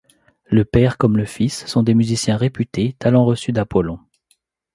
Le père comme le fils sont des musiciens réputés, talent reçu d'Apollon.